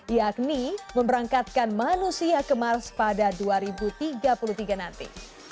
yakni memberangkatkan manusia ke mars pada dua ribu tiga puluh tiga nanti